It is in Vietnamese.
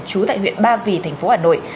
chú tại huyện ba vì tp hà nội